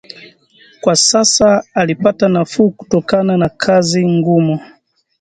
Kwa sasa alipata nafuu kutokana na kazi ngumu